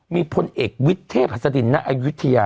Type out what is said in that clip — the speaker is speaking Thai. มีคนเอกวิดเทภัสดินนะอยุโฑฑชียา